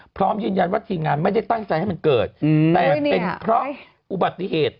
พร้อมยืนยันว่าทีมงานไม่ได้ตั้งใจให้มันเกิดแต่เป็นเพราะอุบัติเหตุ